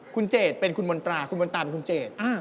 คุณเจดเป็นคุณมนตราคุณมนตาเป็นคุณเจด